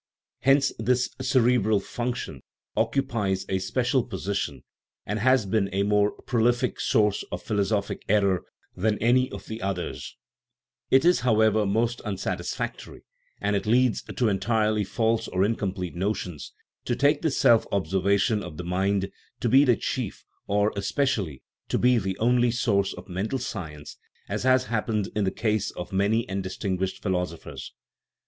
Hence this cerebral function occupies a special posi tion, and has been a more prolific source of philosophic error than any of the others (cf. chap. x.). It is, how ever, most unsatisfactory, and it leads to entirely false or incomplete notions, to take this self observation of the mind to be the chief, or, especially, to be the only source of mental science, as has happened in the case of many and distinguished philosophers.